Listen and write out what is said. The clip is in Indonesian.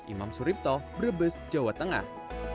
imam suripto brebes jawa tengah